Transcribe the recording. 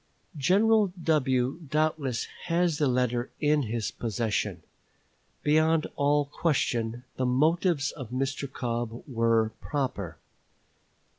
General W. doubtless has the letter in his possession. Beyond all question, the motives of Mr. Cobb were proper.